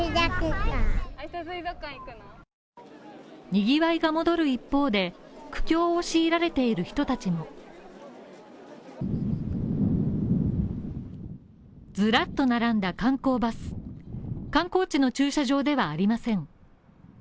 にぎわいが戻る一方で、苦境を強いられている人たちもずらっと並んだ観光バス観光地の駐車場ではありません。